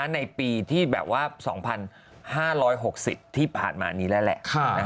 ในปีที่แบบว่า๒๕๖๐ที่ผ่านมานี้แล้วแหละ